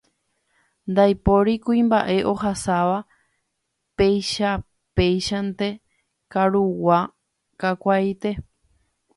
Ndaipóri kuimba'e ohasáva peichapéichante karugua kakuaaite.